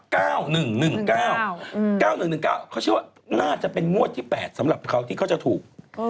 กล้าจะเป็นมวดที่๘สำหรับเขาที่เขาจะถูก